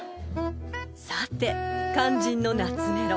［さて肝心の懐メロ］